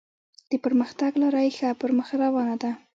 د پرمختګ لاره یې ښه پر مخ روانه ده.